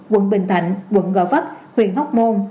quận bình thạnh quận gò vấp huyện hóc môn